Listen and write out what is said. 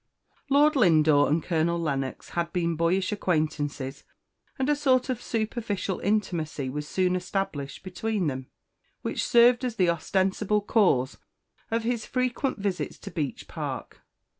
_ LORD LINDORE and Colonel Lennox has been boyish acquaintances, and a sort of superficial, intimacy was soon established between them, which served as the ostensible cause of his frequent visits at Beech Park.